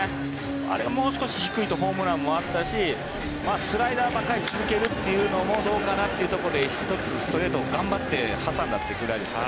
あれ、もう少し低いとホームランもあったしスライダーばかり続けるというのもどうかなというところで１つ、ストレートを頑張って挟んだと。